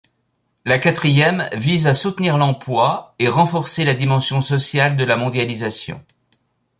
La quatrième vise à soutenir l'emploi et renforcer la dimension sociale de la mondialisation.